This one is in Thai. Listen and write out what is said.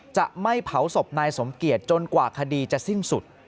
จะไม่เผาศพนายสมเกียจจนกว่าคดีจะสิ้นสุด